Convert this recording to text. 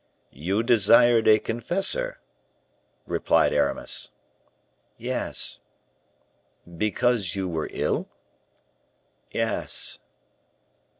"You desired a confessor?" replied Aramis. "Yes." "Because you were ill?" "Yes."